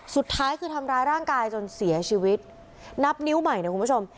สุดท้ายคือทำร้ายร่างกายจนเสียชีวิตนับนิ้วใหม่เนี่ยคุณผู้ชม